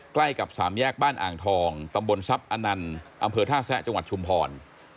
ใกล้กับสามแยกบ้านอ่างทองตำบลทรัพย์อนันต์อำเภอท่าแซะจังหวัดชุมพร